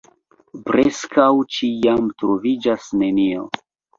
Preskaŭ ĉiam troviĝas nenio.